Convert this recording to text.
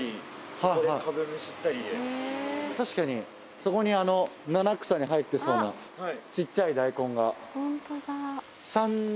確かにそこに七草に入ってそうな小っちゃい大根が。